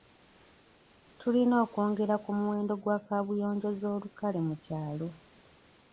Tuyina okwongera ku muwendo gwa kabuyonjo ez'olukale mu kyalo.